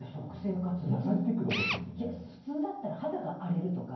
普通だったら、肌が荒れるとか